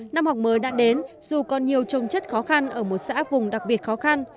năm học mới đã đến dù còn nhiều trồng chất khó khăn ở một xã vùng đặc biệt khó khăn